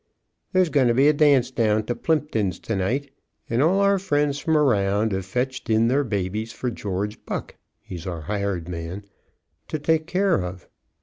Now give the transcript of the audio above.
"There's goin' to be a dance down to Plimton's to night and all our friends from around 've fetched in their babies for George Buck he's our hired man to take care of.